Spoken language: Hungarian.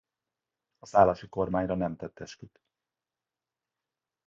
A Szálasi kormányra nem tett esküt.